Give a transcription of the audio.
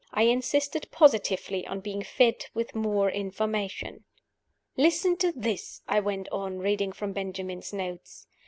I insisted positively on being fed with more information. "Listen to this," I went on, reading from Benjamin's notes.